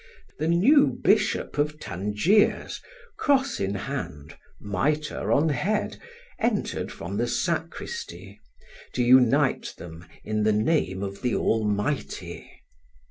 The new bishop of Tangiers, cross in hand, miter on head, entered from the sacristy, to unite them in the name of the Almighty.